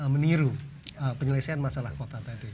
meniru penyelesaian masalah kota tadi